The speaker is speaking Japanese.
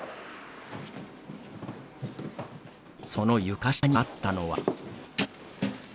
その床下にあったのは。